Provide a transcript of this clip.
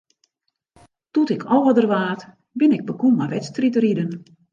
Doe't ik âlder waard, bin ik begûn mei wedstriidriden.